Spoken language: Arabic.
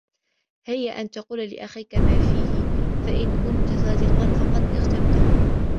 هِيَ أَنْ تَقُولَ لِأَخِيك مَا فِيهِ فَإِنْ كُنْتَ صَادِقًا فَقَدْ اغْتَبْتَهُ